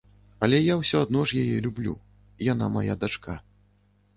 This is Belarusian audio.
Але я ўсё адно ж яе люблю, яна мая дачка.